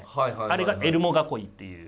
あれがエルモ囲いっていう。